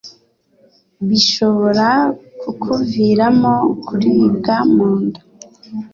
bishobora kukuviramo kuribwa munda